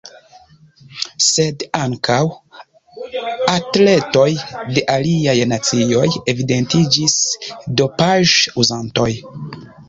Sed ankaŭ atletoj de aliaj nacioj evidentiĝis dopaĵ-uzantoj.